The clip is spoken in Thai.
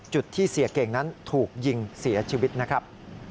ที่เสียเก่งนั้นถูกยิงเสียชีวิตนะครับ